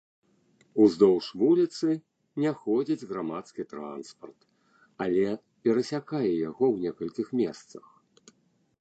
Уздоўж вуліцы не ходзіць грамадскі транспарт, але перасякае яго ў некалькіх месцах.